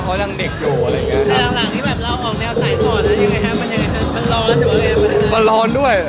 แหอยังงี้อร่อย